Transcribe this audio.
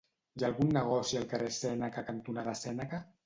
Hi ha algun negoci al carrer Sèneca cantonada Sèneca?